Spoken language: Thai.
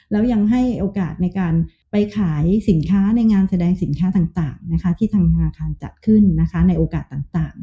แล้วยังให้โอกาสในการไปขายสินค้าในงานแสดงสินค้าต่างที่ทางธนาคารจัดขึ้นในโอกาสต่าง